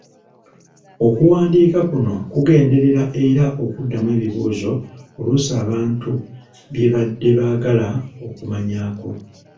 Okuwandiika kuno kugenderera era okuddamu ebibuuzo oluusi abantu bye badde baagala okumanyaako.